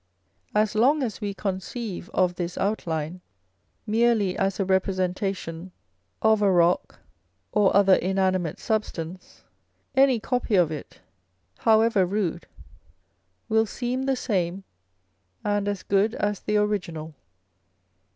As long as we conceive of this outline merely as a representa tion of a rock or other inanimate substance, any copy of it, however rude, will seem the same and as good as the original.